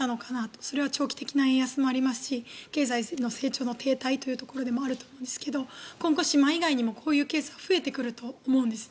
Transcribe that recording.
それは長期的な円安もありますし経済の成長の停滞というところでもあると思うんですが今後島以外にもこういうケースは増えてくると思うんです。